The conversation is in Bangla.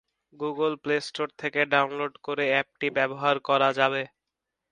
গুগল প্লে স্টোর থেকে ডাউনলোড করে অ্যাপটি ব্যবহার করা যাবে।